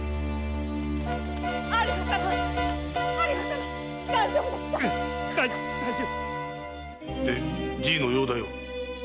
有馬様有馬様大丈夫ですか⁉じいの容体は？